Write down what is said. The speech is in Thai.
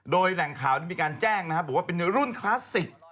โดยแหล่งข่าวนี้มีการแจ้งนะครับบอกว่าเป็นรุ่นคลาสสิก